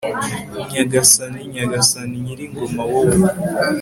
nyagasani, nyagasani nyir'ingoma wowe